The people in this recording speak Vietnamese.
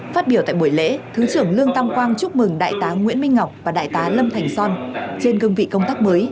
phát biểu tại buổi lễ thứ trưởng lương tam quang chúc mừng đại tá nguyễn minh ngọc và đại tá lâm thành son trên cương vị công tác mới